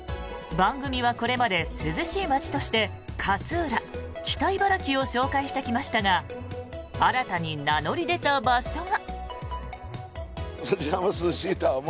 番組はこれまで涼しい街として勝浦、北茨城を紹介してきましたが新たに名乗り出た場所が。